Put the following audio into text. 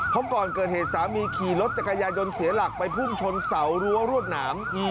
เพราะก่อนเกิดเหตุสามีขี่รถจักรยายนเสียหลักไปพุ่งชนเสารั้วรวดหนาม